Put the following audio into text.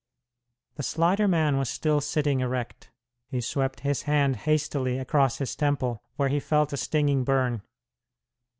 The slighter man was still sitting erect. He swept his hand hastily across his temple, where he felt a stinging burn.